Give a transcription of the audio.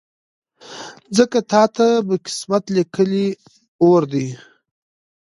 ځکه تاته په قسمت لیکلی اور دی